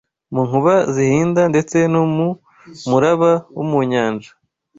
mu nkuba zihinda ndetse no mu muraba wo mu nyanja